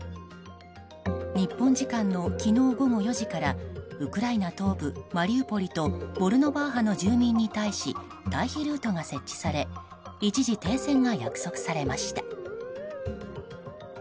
日本時間の昨日午後４時からウクライナ東部マリウポリとボルノバーハの住民に対し退避ルートが設置され一時停戦が約束されました。